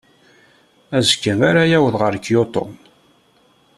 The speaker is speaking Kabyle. Azekka ara yaweḍ ɣer Kyoto.